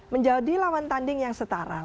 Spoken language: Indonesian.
menjadi lawan tanding yang setara